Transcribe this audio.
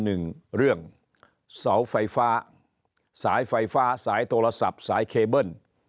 หนึ่งเรื่องเสาไฟฟ้าสายไฟฟ้าสายโทรศัพท์สายเคเบิ้ล